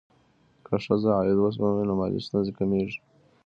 که ښځه عاید وسپموي، نو مالي ستونزې کمېږي.